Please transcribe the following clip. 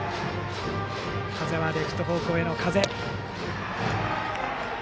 風はレフト方向への風。